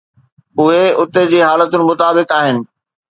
اهي اتي جي حالتن مطابق آهن.